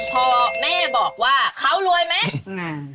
พอแม่บอกว่าเขารวยไหม